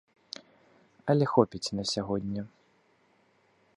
Але хопіць на сягоння.